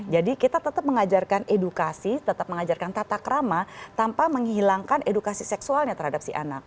kita tetap mengajarkan edukasi tetap mengajarkan tatak rama tanpa menghilangkan edukasi seksualnya terhadap si anak